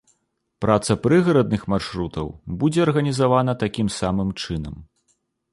Праца прыгарадных маршрутаў будзе арганізавана такім самым чынам.